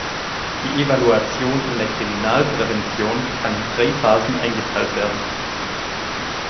Die Evaluation in der Kriminalprävention kann in drei Phasen eingeteilt werden.